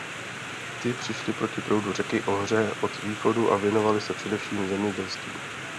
Ti přišli proti proudu řeky Ohře od východu a věnovali se především zemědělství.